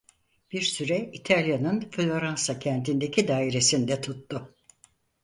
Bir süre İtalya'nın Floransa kentindeki dairesinde tuttu.